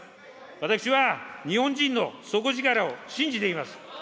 私は日本人の底力を信じています。